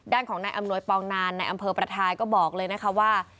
ด้านของนายอำนวยปองนานในอำเภอประทายก็บอกเลยนะคะว่า